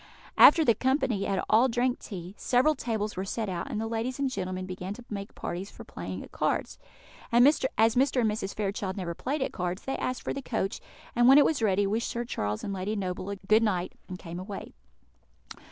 After the company had all drank tea, several tables were set out, and the ladies and gentlemen began to make parties for playing at cards. As Mr. and Mrs. Fairchild never played at cards, they asked for the coach, and, when it was ready, wished Sir Charles and Lady Noble good night, and came away.